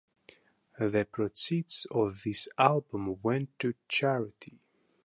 The proceeds of this album went to charity.